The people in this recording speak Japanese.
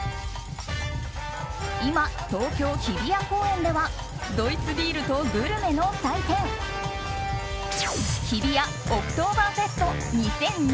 今、東京・日比谷公園ではドイツビールとグルメの祭典日比谷オクトーバーフェスト２０２２